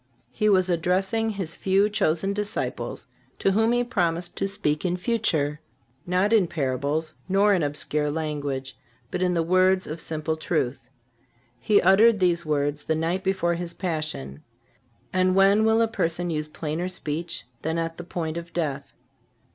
He was addressing His few chosen disciples, to whom He promised to speak in future, not in parables nor in obscure language, but in the words of simple truth. He uttered these words the night before His Passion. And when will a person use plainer speech than at the point of death?